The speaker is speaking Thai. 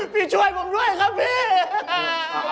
ช่วยผมด้วยครับพี่